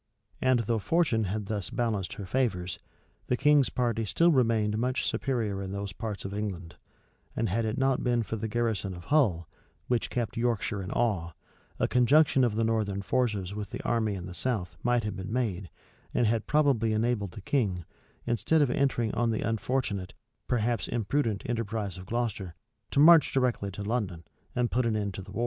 And though fortune had thus balanced her favors, the king's party still remained much superior in those parts of England; and had it not been for the garrison of Hull, which kept Yorkshire in awe, a conjunction of the northern forces with the army in the south might have been made, and had probably enabled the king, instead of entering on the unfortunate, perhaps imprudent, enterprise of Gloucester, to march directly to London, and put an end to the war.